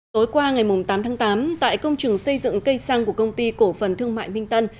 tối qua ngày tám tháng tám tại công trường xây dựng cây xăng của công ty cổ phần thương mại minh tân